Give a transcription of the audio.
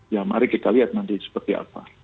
ya mari kita lihat nanti seperti apa